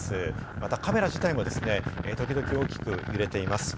またカメラ自体もですね、時々大きく揺れています。